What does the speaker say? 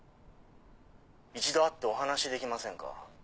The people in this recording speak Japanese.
一度会ってお話できませんか？